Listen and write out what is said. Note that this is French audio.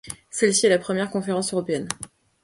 Celle-ci est la première conférence européenne.